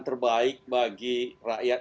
terbaik bagi rakyat